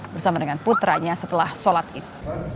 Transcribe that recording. bersama dengan putranya setelah sholat id